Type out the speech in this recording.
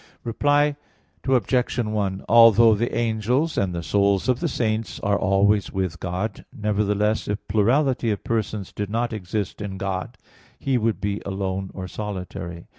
Reply Obj. 1: Although the angels and the souls of the saints are always with God, nevertheless, if plurality of persons did not exist in God, He would be alone or solitary.